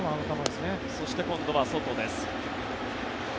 そして今度は外です。